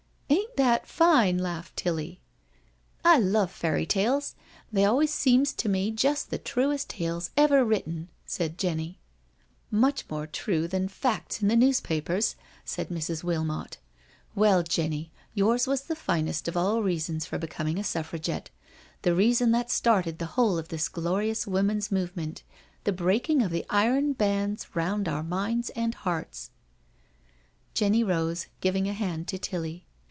" "Ain't that fine?" laughed TUly. " I love fairy tales, they always seems to me just the truest tales ever written/' said Jenny, *' Much more true than ' facts * in the newspapers/' said Mrs. Wilmot. " Well, Jenny, yours was the finest of all reasons for becoming a Suffragette— the reason that started the whole of this glorious woman's move ment, the breaking of the iron bands round our minds and hearts/* Jenny rose, giving a hand to Tilly.